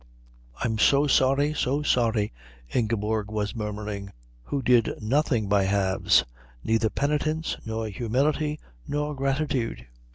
"I'm so sorry, so sorry," Ingeborg was murmuring, who did nothing by halves, neither penitence, nor humility, nor gratitude.